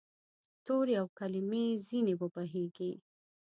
تورې او کلمې ځیني وبهیږې